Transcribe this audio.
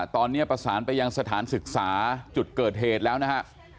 ตอนนี้ประสานไปยังสถานศึกษาจุดเกิดเหตุแล้วนะฮะ